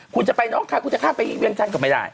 คุณจะไปน้องค่ะคุณจะข้ามไปอีกเวียงชั้นก็ไม่ได้